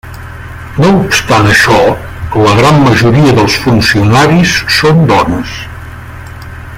No obstant això, la gran majoria dels funcionaris són dones.